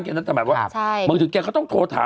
พี่โมดรู้สึกไหมพี่โมดรู้สึกไหมพี่โมดรู้สึกไหม